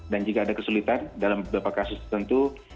dan jika ada kesulitan dalam beberapa kasus tertentu